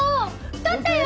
太ったよ！